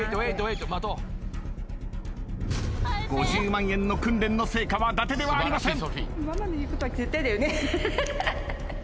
５０万円の訓練の成果はだてではありません。